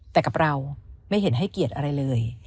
แต่กับเราไม่เห็นให้เกียรติอะไรเลย